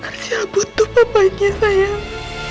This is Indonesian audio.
raja butuh papanya sayang